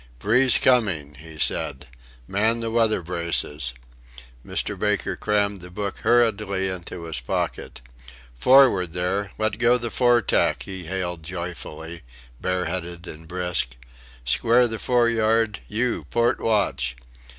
"Breeze coming," he said, "Man the weather braces." Mr. Baker crammed the book hurriedly into his pocket. "Forward, there let go the foretack!" he hailed joyfully, bareheaded and brisk; "Square the foreyard, you port watch!"